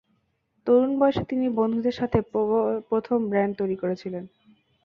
তরুণ বয়সে তিনি বন্ধুদের সাথে প্রথম ব্যান্ড তৈরি করেছিলেন।